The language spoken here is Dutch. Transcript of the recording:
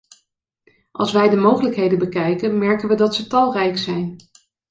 Als wij de mogelijkheden bekijken, merken wij dat ze talrijk zijn.